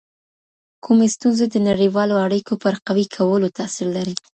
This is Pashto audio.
کومے ستونزې د نړیوالو اړیکو پر قوي کولو تاثیر لري؟